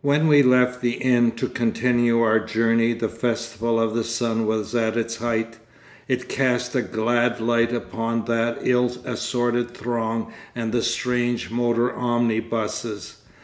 When we left the inn to continue our journey the festival of the sun was at its height; it cast a glad light upon that ill assorted throng and the strange motor omnibuses.